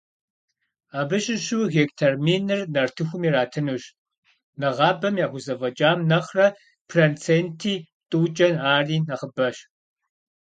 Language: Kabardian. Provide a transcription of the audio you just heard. Абы щыщу гектар минир нартыхум иратынущ, нэгъабэм яхузэфӀэкӀам нэхърэ проценти тӀукӀэ ари нэхъыбэщ.